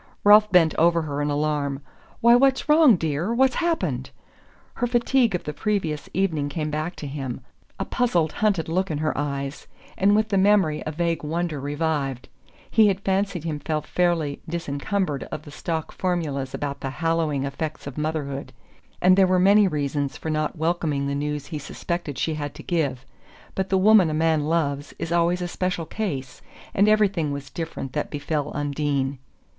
Ralph bent over her in alarm. "Why, what's wrong, dear? What's happened?" Her fatigue of the previous evening came back to him a puzzled hunted look in her eyes; and with the memory a vague wonder revived. He had fancied himself fairly disencumbered of the stock formulas about the hallowing effects of motherhood, and there were many reasons for not welcoming the news he suspected she had to give; but the woman a man loves is always a special case, and everything was different that befell Undine.